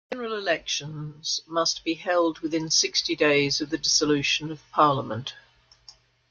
General elections must be held within sixty days of the dissolution of parliament.